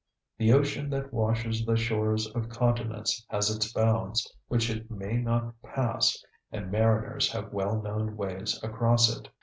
The ocean that washes the shores of continents has its bounds which it may not pass, and mariners have well known ways across it.